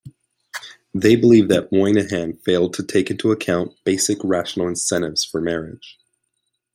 They believe that Moynihan failed to take into account basic rational incentives for marriage.